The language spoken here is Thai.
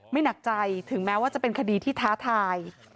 หนักใจถึงแม้ว่าจะเป็นคดีที่ท้าทาย